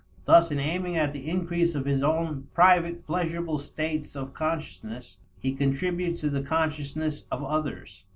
Thus in aiming at the increase of his own private pleasurable states of consciousness, he contributes to the consciousness of others.